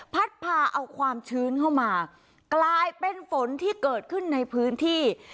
พัดพาเอาความชื้นเข้ามากลายเป็นฝนที่เกิดขึ้นในพื้นที่